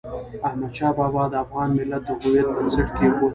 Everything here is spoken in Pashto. احمد شاه بابا د افغان ملت د هویت بنسټ کېښود.